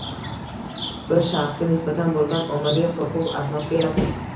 Bir shaxsga nisbatan boʻlgan ommaviy qoʻrquv atmosferasi